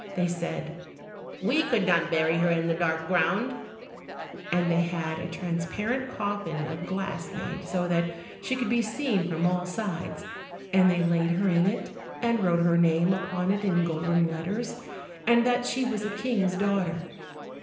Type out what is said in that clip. They said, "We could not bury her in the dark ground," and they had a transparent coffin of glass made, so that she could be seen from all sides, and they laid her in it, and wrote her name upon it in golden letters, and that she was a king's daughter.